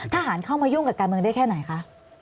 ทหารเข้ามายุ่งกับการเมืองได้แค่ไหนคะ